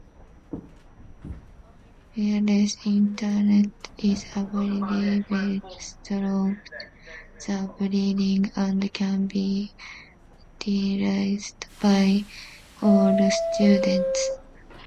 Wireless Internet is available throughout the building and can be utilized by all students.